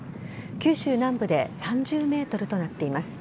九州南部で３０メートルとなっています。